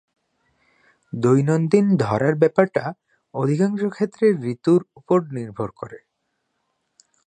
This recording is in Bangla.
দৈনন্দিন ধরার ব্যাপারটা অধিকাংশ ক্ষেত্রে ঋতুর উপর নির্ভর করে।